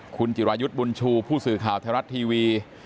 คุณจิรายุทธ์บุญชูผู้สื่อข่าวไทยรัฐทีวี